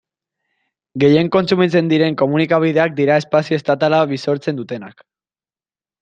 Gehien kontsumitzen diren komunikabideak dira espazio estatala bisortzen dutenak.